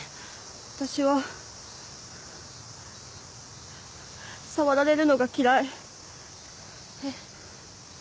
私は触られるのが嫌いえっ？